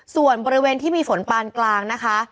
ส่วนบริเวณที่มีฝนปานกลางนะคะ